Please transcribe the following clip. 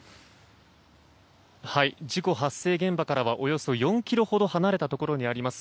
事故発生現場からおよそ４ｋｍほど離れたところにあります